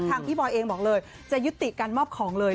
พี่บอยเองบอกเลยจะยุติการมอบของเลย